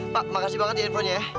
pak makasih banget ya infonya ya